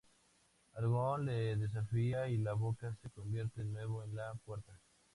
Aragorn le desafía y la boca se convierte de nuevo en la puerta.